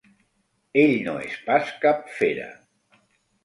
Ell no és pas cap fera.